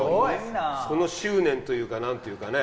その執念というか何というかね。